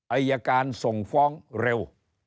อายการส่งฟ้องเร็ว